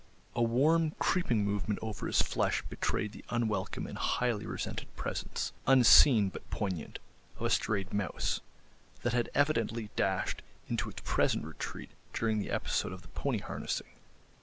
A warm, creeping movement over his flesh betrayed the unwelcome and highly resented presence, unseen but poignant, of a strayed mouse, that had evidently dashed into its present retreat during the episode of the pony harnessing.